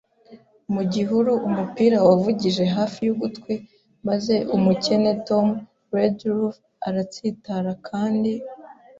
mu gihuru, umupira wavugije hafi y ugutwi, maze umukene Tom Redruth aratsitara kandi